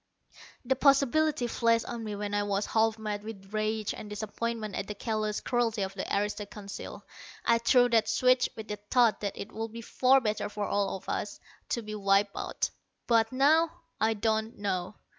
The possibility flashed on me when I was half mad with rage and disappointment at the callous cruelty of the aristo Council. I threw that switch with the thought that it would be far better for all of us to be wiped out. But now, I don't know.